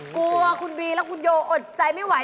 กลัวคุณบีและคุณโยอดใจไม่ไหว